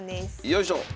よいしょ。